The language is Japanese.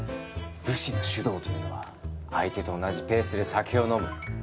武士の酒道というのは相手と同じペースで酒を飲む。